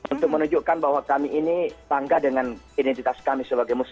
untuk menunjukkan bahwa kami ini tangga dengan kebenaran